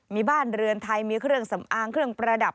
มีบ้านเรือนไทยมีเครื่องสำอางเครื่องประดับ